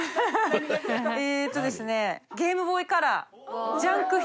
えっとですね。